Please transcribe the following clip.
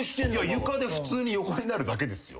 床で普通に横になるだけですよ。